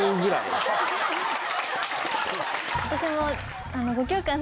私も。